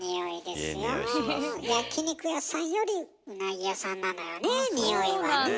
焼き肉屋さんよりうなぎ屋さんなのよねにおいはね。